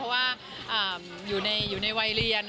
เพราะว่าอยู่ในวัยเรียน